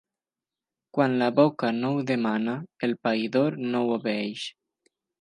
Quan la boca no ho demana el païdor no ho obeeix.